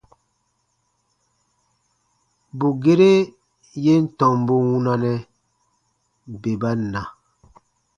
Bù gere yè n tɔmbu wunanɛ, bè ba na.